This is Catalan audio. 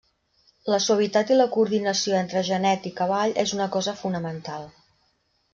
La suavitat i la coordinació entre genet i cavall és una cosa fonamental.